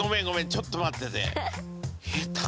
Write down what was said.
ちょっと待ってて。